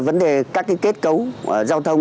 vấn đề các cái kết cấu giao thông